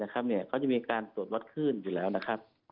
เขาจะมีการตรวจวัดขึ้นอยู่แล้วนะครับ